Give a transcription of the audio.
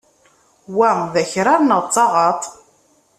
Wa d akrar neɣ d taɣaḍt?